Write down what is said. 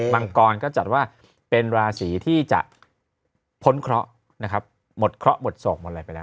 มังกรก็จัดว่าเป็นราศีที่จะพ้นเคราะห์นะครับหมดเคราะห์หมดโศกหมดอะไรไปแล้ว